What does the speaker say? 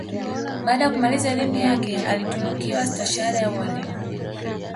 Baada ya kumaliza elimu yake ya alitunukiwa Stahahada ya Ualimu